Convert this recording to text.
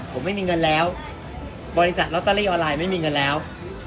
ผมไม่มีเงินแล้วบริษัทลอตเตอรี่ออนไลน์ไม่มีเงินแล้ว